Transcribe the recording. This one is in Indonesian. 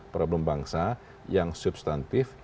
problem bangsa yang substantif